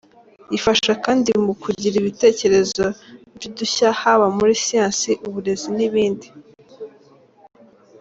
Bifasha kandi mu kugira ibitekerezo by’udushya haba muri muri siyansi, uburezi n’ibindi.